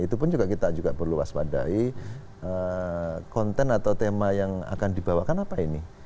itu pun kita juga perlu waspadai konten atau tema yang akan dibawakan apa ini